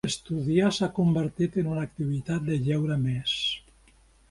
Estudiar s'ha convertit en una activitat de lleure més.